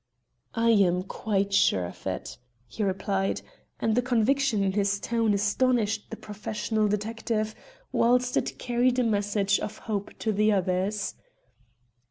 "I am quite sure of it," he replied, and the conviction in his tone astonished the professional detective, whilst it carried a message of hope to the others.